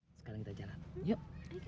hai sekarang kita jalan yuk